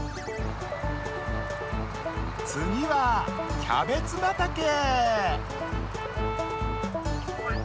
つぎはキャベツばたけ。